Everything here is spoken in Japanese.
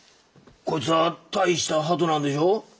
こいつは大した鳩なんでしょう？